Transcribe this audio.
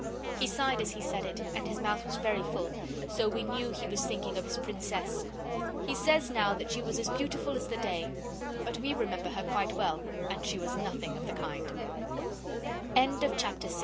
He sighed as he said it, and his mouth was very full, so we knew he was thinking of his Princess. He says now that she was as beautiful as the day, but we remember her quite well, and she was nothing of the k